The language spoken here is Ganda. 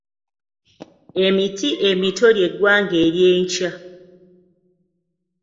Emiti emito ly’eggwanga ery'enkya.